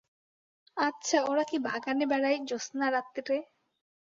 আচ্ছা, ওরা কি বাগানে বেড়ায় জ্যোৎস্নারাত্রে।